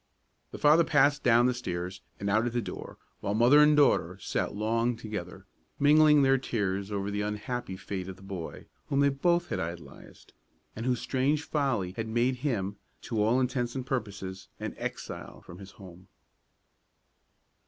The father had passed down the stairs and out at the door, while mother and daughter sat long together, mingling their tears over the unhappy fate of the boy whom both had idolized, and whose strange folly had made him, to all intents and purposes, an exile from his home.